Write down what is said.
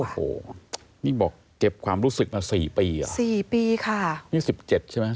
โอ้โหนี่บอกเก็บความรู้สึกมาสี่ปีเหรอสี่ปีค่ะนี่สิบเจ็ดใช่ไหม